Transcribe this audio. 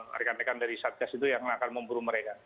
jadi rekan rekan dari satyas itu yang akan memburu mereka